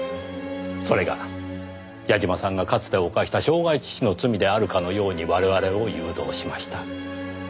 それが矢嶋さんがかつて犯した傷害致死の罪であるかのように我々を誘導しました。